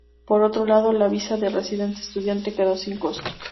Por otro lado, la visa de residente estudiante quedó sin costo.